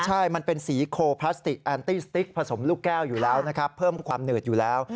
ใช่มันเป็นสีโคพราสติกแอนตี้สติกผสมลูกแก้วอยู่แล้วนะครับ